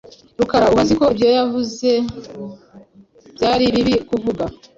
Rukara ubu azi ko ibyo yavuze byari bibi kuvuga.